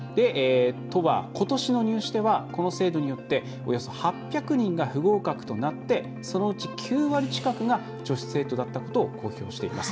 都はことしの入試ではこの制度によっておよそ８００人が不合格となってそのうち９割近くが女子生徒だったことを公表しています。